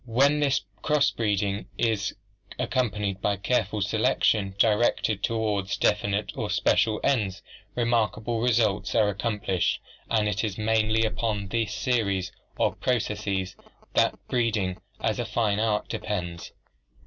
When this cross breeding is accompanied by careful selection directed toward definite or special ends, remarkable results are accomplished, and it is mainly upon this series of processes that breeding as a fine art depends.